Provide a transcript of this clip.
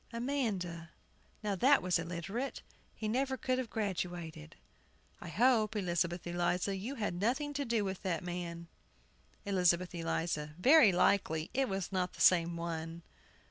AMANDA. Now, that was illiterate; he never could have graduated. I hope, Elizabeth Eliza, you had nothing to do with that man. ELIZABETH ELIZA. Very likely it was not the same one.